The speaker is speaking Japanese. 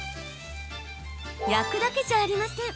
焼くだけじゃありません。